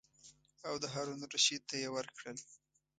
او د هارون الرشید ته یې ورکړل.